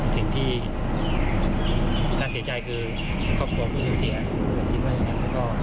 สิ่งที่น่าเสียใจคือครอบครัวผู้สูญเสีย